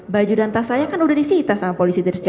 baju dan tas saya kan sudah disita sama polisi dari jakarta